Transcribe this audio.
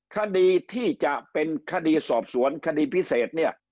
คดีที่จะเป็นคดีสอบสวนคดีพิเศษเนี่ย